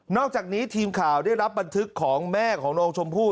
อกจากนี้ทีมข่าวได้รับบันทึกของแม่ของน้องชมพู่